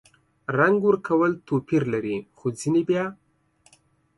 رنګ ورکول توپیر لري – خو ځینې بیا